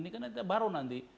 karena kita baru nanti